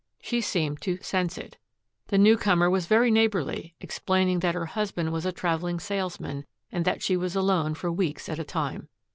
She seemed to "sense" it. The newcomer was very neighborly, explaining that her husband was a traveling salesman, and that she was alone for weeks at a time.